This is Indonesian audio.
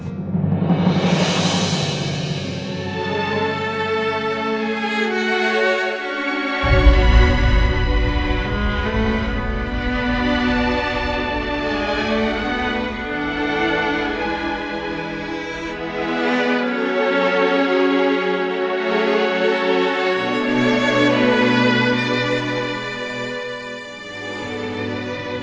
ini om baik